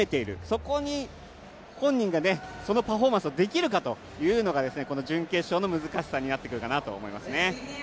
そこに本人がそのパフォーマンスができるかというのがこの準決勝の難しさになってくるかなと思いますね。